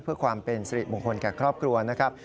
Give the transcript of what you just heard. เพื่อความเป็นสิริมงคลแก่ครอบครัวนะครับ